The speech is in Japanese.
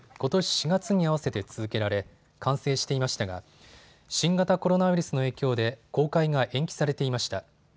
４月に合わせて続けられ完成していましたが新型コロナウイルスの影響で公開が延期されていました。